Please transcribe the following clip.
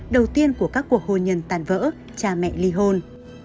đầu tiên của các cuộc hôn nhân tàn vỡ cha mẹ ly hôn